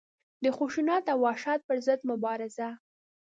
د خشونت او وحشت پر ضد مبارزه.